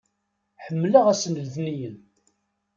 Ḥemmleɣ ass n letniyen!